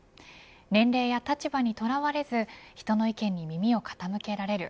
年齢や立場に捉われず人の意見に耳を傾けられる。